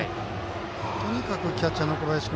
とにかく、キャッチャーの小林君